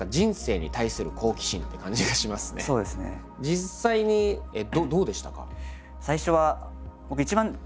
実際にどうでしたか？